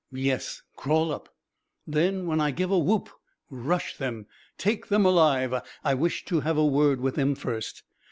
"Yes, crawl up. Then when I give a whoop rush them. Take them alive. I wish to have a word with them first.